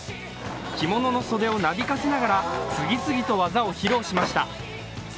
着物の袖をなびかせながら次々と技を披露しました。